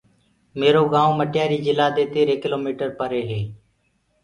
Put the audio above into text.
ميرو گائونٚ مٽياري جِلا دي تيرهي ڪِلو ميٽر پري هي۔